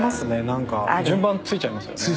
なんか順番ついちゃいますよね。